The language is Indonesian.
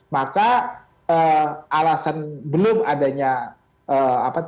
maka alasan belum adanya pelakunya itu